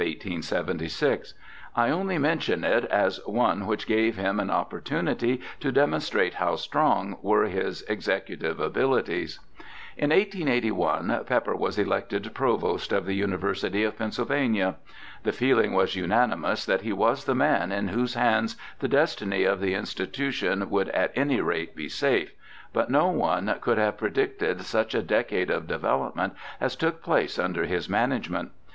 I only mention it as one which gave him an opportunity to demonstrate how strong were his execu tive abilities. In 1881 Pepper was elected Provost of the University of Pennsylvania. The feeling was unanimous that he was the man in whose hands the destiny of the institu tion would at any rate be safe, but no one could have predicted such a decade of development as took place under his management.